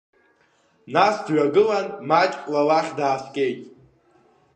Нас дҩагылан, маҷк ла лахь дааскьеит.